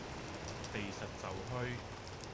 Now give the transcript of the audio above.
避實就虛